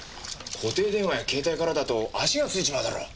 固定電話や携帯からだと足がついちまうだろ。